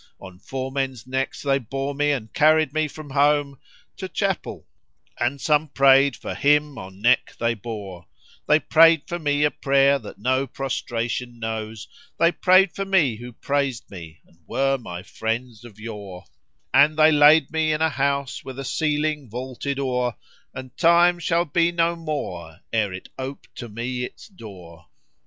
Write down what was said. On four men's necks they bore me and carried me from home * To chapel; and some prayed for him on neck they bore: They prayed for me a prayer that no prostration knows;[FN#23] * They prayed for me who praisèd me and were my friends of yore; And they laid me in a house with a ceiling vaulted o'er, * And Time shall be no more ere it ope to me its door."